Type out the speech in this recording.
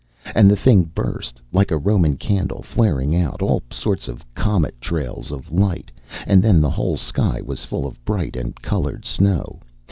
And the thing burst, like a Roman candle flaring out, all sorts of comet trails of light, and then the whole sky was full of bright and colored snow.